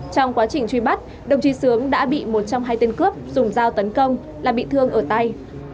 trong quá trình truy bắt đồng chí sướng đã bị một trong hai tên cướp dùng dao tấn công là bị thương ở tay